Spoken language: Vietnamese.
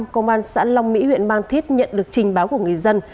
công an xã long mỹ huyện mang thít nhận được trình báo của người dân